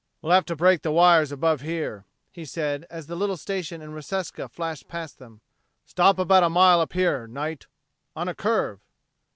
"We'll have to break the wires above here," he said as the little station in Reseca flashed past them. "Stop about a mile up here, Knight. On a curve."